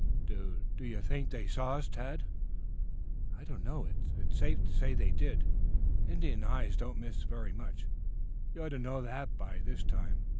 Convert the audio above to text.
"D d do you think they saw us, Tad?" "I don't know. It's safe to say they did. Indian eyes don't miss very much. You ought to know that, by this time.